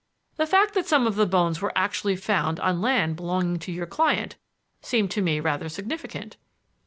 "The fact that some of the bones were actually found on land belonging to your client seemed to me rather significant."